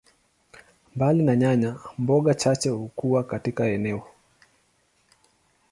Mbali na nyanya, mboga chache hukua katika eneo.